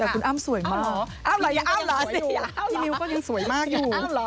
คุณอ้ำสวยมากอ้ำหรออย่าอ้ำเหรอสิพี่นิวก็ยังสวยมากอยู่